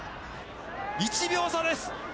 １秒差です。